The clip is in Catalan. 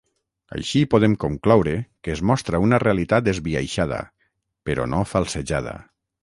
Així podem concloure que es mostra una realitat esbiaixada, però no falsejada.